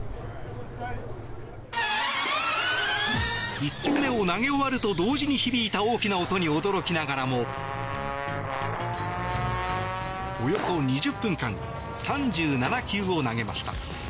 １球目を投げ終わると同時に響いた大きな音に驚きながらもおよそ２０分間３７球を投げました。